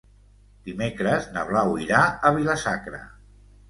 Dimecres na Blau irà a Vila-sacra.